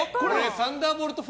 サンダーボルト４。